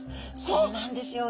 そうなんですよ。